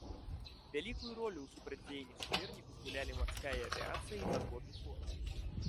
Вялікую ролю ў супрацьдзеянні суперніку згулялі марская авіяцыя і падводны флот.